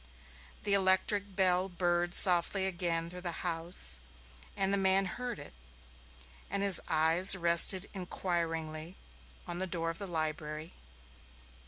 The electric bell burred softly again through the house, and the man heard it, and his eyes rested inquiringly on the door of the library.